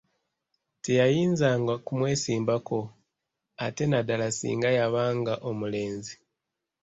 Teyayinzanga kumwesimbako ate naddala singa yabanga omulenzi.